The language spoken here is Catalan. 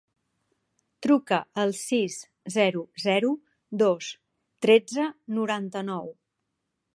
Truca al sis, zero, zero, dos, tretze, noranta-nou.